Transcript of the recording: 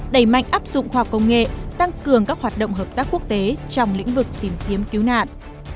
đẩy mạnh áp dụng khoa học công nghệ tăng cường các hoạt động hợp tác quốc tế trong lĩnh vực tìm kiếm cứu nạn